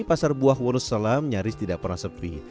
pasar buah wonosalam nyaris tidak pernah sepi